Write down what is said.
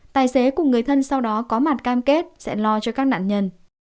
tài xế cùng người thân sau đó có mặt cam kết sẽ lo cho các nạn nhân